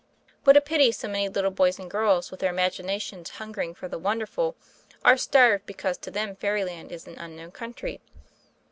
What a pity so many little boys and girls with their imaginations hungering for the wonderful are starved because to them fairyland is an unknown country.